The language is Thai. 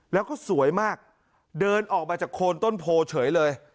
แล้วก็สวยมากเดินออกมาจากโคนต้นโพเฉยเลย